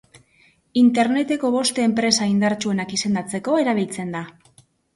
Interneteko bost enpresa indartsuenak izendatzeko erabiltzen da.